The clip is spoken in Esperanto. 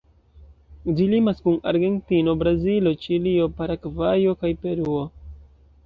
Ĝi limas kun Argentino, Brazilo, Ĉilio, Paragvajo kaj Peruo.